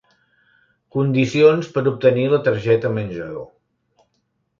Condicions per obtenir la targeta menjador.